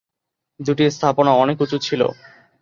দুটি স্থাপনা অনেক উঁচু ছিল।